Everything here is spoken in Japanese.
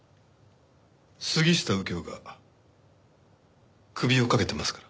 杉下右京が首をかけてますから。